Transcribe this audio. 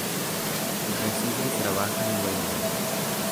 Reside y trabaja en Weimar.